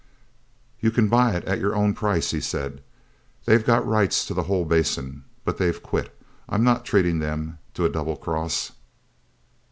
"You can buy at your own price," he said. "They've got rights to the whole basin. But they've quit; I'm not treating them to a double cross."